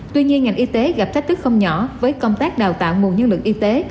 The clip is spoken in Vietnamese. tuy nhiên ngành y tế gặp thách thức không nhỏ với công tác đào tạo nguồn nhân lực y tế